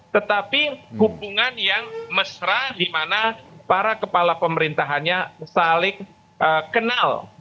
tetapi hubungan yang mesra di mana para kepala pemerintahannya saling kenal